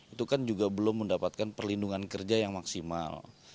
itu kan juga belum mendapatkan perlindungan kerja yang maksimal